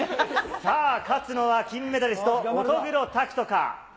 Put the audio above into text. さあ、勝つのは金メダリスト、乙黒拓斗か。